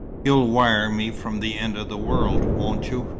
"You'll wire me from the end of the world, won't you?"